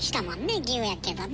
牛やけどね。